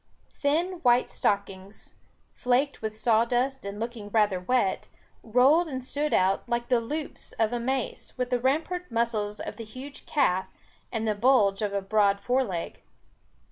Thin white stockings, flaked with sawdust and looking rather wet, rolled and stood out, like the loops of a mace, with the rampant muscles of the huge calf, and the bulge of the broad foreleg.